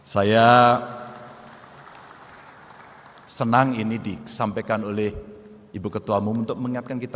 saya senang ini disampaikan oleh ibu ketua umum untuk mengingatkan kita